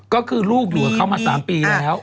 ก็คือลูกอยู่มันมา๓ปีแล้ว